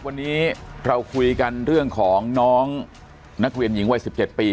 วันนี้เราคุยกันเรื่องของน้องนักเรียนหญิงวัย๑๗ปี